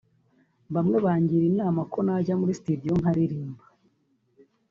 bamwe bangiraga inama ko najya muri studio nkaririmba